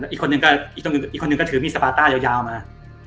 อีกคนนึงก็ถือมีสปาต้ายาวมา